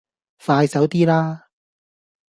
快手啲啦